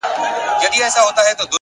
هوښیار انتخاب د سبا بار سپکوي.